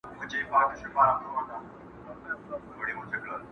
بس و یار ته ستا خواږه کاته درمان سي.